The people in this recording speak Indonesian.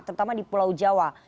terutama di pulau jawa